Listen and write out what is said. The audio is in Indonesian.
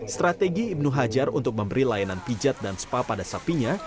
strategi ibnu hajar untuk memberi layanan pijat dan spa pada sapinya